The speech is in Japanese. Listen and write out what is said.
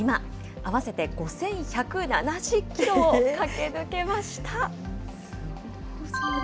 合わせて５１７０キロを駆け抜けました。